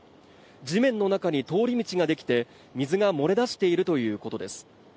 地面の中に通り道が出来て水が漏れ出しているということです